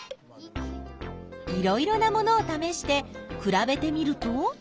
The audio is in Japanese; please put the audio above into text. いろいろなものをためしてくらべてみると？